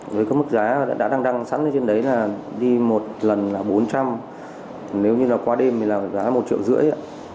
với mức giá đã đăng đăng sẵn trên đấy là đi một lần là bốn trăm linh nếu như là qua đêm thì là giá một triệu rưỡi